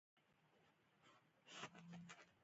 آب وهوا د افغانستان د اقلیم یوه ځانګړتیا ده.